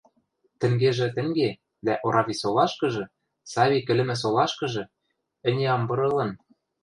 Тӹнгежӹ тӹнге, дӓ Орависолашкыжы, Савик ӹлӹмӹ солашкыжы, ӹне ам пыры ылын.